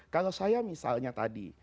kalau saya misalnya tadi